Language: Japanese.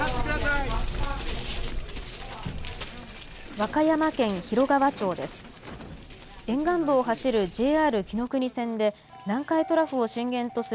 和歌山県広川町です。